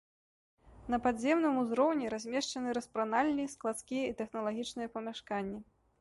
На падземным узроўні размешчаны распранальні, складскія і тэхналагічныя памяшканні.